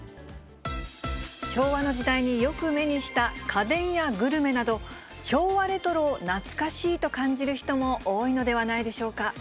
昭和の時代によく目にした家電やグルメなど、昭和レトロを懐かしいと感じる人も、多いのではないでしょうか。